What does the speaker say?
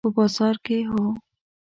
په بازار کې، هو